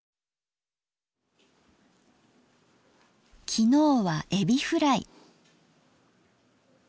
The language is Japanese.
昨日はえびフライ。